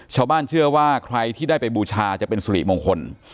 ชาวบ้านเชื่อว่าใครที่ได้ไปบูชาจะเป็นสุริมงคล